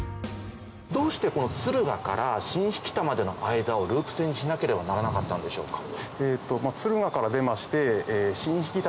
どうしてこの敦賀から新疋田までの間をループ線にしなければならなかったんでしょうか？